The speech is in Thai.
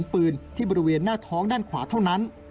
ปืนที่บริเวณหน้าท้องด้านขวาเท่านั้น